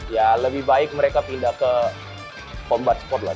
ya lebih baik mereka pindah ke pombar sport lah